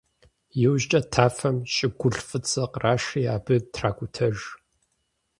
ИужькӀэ тафэм щӀыгулъ фӀыцӀэ кърашри абы тракӀутэж.